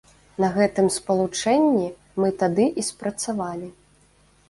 На гэтым спалучэнні мы тады і спрацавалі.